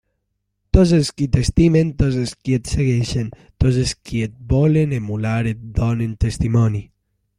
Tots els qui t'estimen, tots els qui et segueixen, tots els qui et volen emular en donen testimoni.